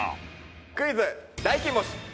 クイズ大金星！